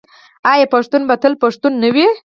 آیا پښتون به تل پښتون نه وي؟